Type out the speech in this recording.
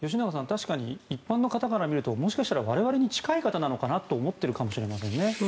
確かに一般の方から見るともしかしたら我々に近い方なのかなと思っているかもしれませんね。